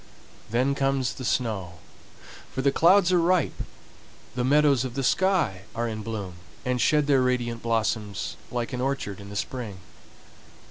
Then comes the snow, for the clouds are ripe, the meadows of the sky are in bloom, and shed their radiant blossoms like an orchard in the spring.